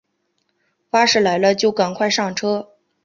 巴士来了就赶快上车